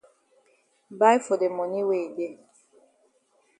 Buy for de moni wey e dey.